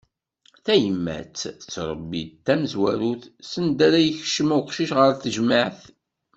Tayemmat tettrebbi d tamezwarut, send ara yakcem uqcic ɣer tejmeɛt.